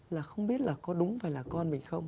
là không biết là có đúng phải là con mình không